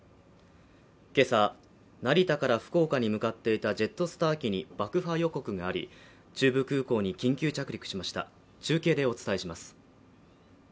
けさ成田から福岡に向かっていたジェットスター機に爆破予告があり中部空港に緊急着陸しました中継でお伝えします